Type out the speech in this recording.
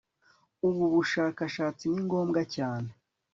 ubu bushakashatsi ni ngombwa cyane